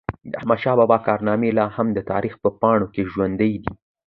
د احمدشاه بابا کارنامي لا هم د تاریخ په پاڼو کي ژوندۍ دي.